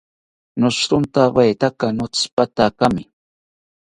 Noshirontawetaka notsipatakimi